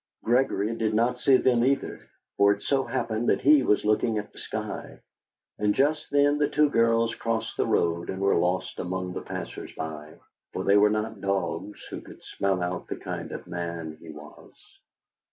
Gregory did not see them either, for it so happened that he was looking at the sky, and just then the two girls crossed the road and were lost among the passers by, for they were not dogs, who could smell out the kind of man he was.